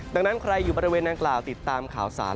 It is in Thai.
ดังนั้นใครอยู่บริเวณนางกล่าวติดตามข่าวสาร